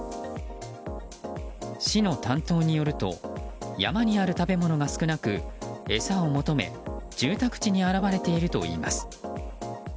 市の担当によると山にある食べ物が少なく餌を求め住宅地に現れているといいます。